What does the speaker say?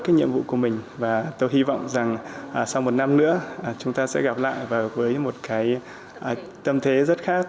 cái nhiệm vụ của mình và tôi hy vọng rằng sau một năm nữa chúng ta sẽ gặp lại và với một cái tâm thế rất khác